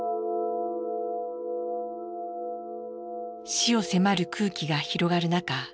死を迫る空気が広がる中